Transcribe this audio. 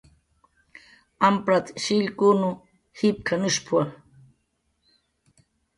"Amprat"" shillkun jipk""anushp""wa "